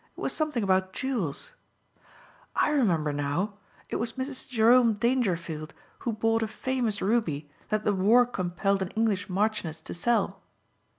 It was something about jewels. I remember now. It was Mrs. Jerome Dangerfield who bought a famous ruby that the war compelled an English marchioness to sell."